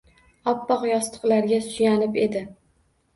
Oppoq yostiqlarga suyanib edi.